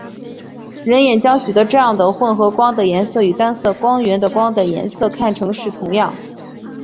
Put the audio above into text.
人眼将许多这样的混合光的颜色与单色光源的光的颜色看成是同样。